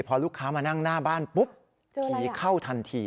พอลูกค้ามานั่งหน้าบ้านปุ๊บผีเข้าทันที